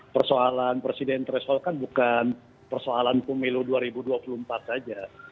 persoalan presiden threshold kan bukan persoalan pemilu dua ribu dua puluh empat saja